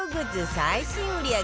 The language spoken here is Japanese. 最新売り上げ